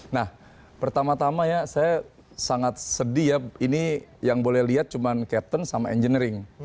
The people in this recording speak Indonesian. nah pertama tama ya saya sangat sedih ya ini yang boleh lihat cuma captain sama engineering